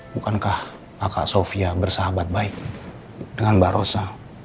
bukankah sofia bersahabat baik dengan mbak rosa